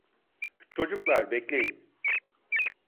Çocuklar, bekleyin.